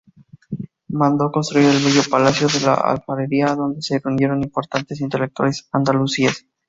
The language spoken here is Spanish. Mandó construir el bello palacio de la Aljafería donde se reunieron importantes intelectuales andalusíes.